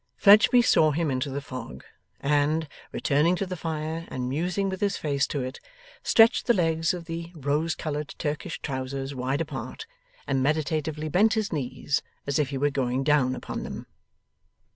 Fledgeby saw him into the fog, and, returning to the fire and musing with his face to it, stretched the legs of the rose coloured Turkish trousers wide apart, and meditatively bent his knees, as if he were going down upon them.